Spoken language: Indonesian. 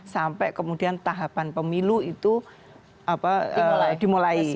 sampai kemudian tahapan pemilu itu dimulai